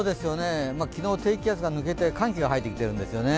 昨日、低気圧が抜けて、寒気が入ってきてるんですよね。